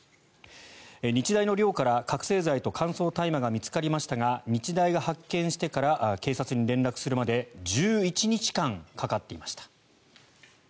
日大の寮から覚醒剤と乾燥大麻が見つかりましたが日大が発見してから警察に連絡するまで１１日間かかっていました。